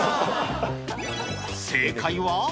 正解は。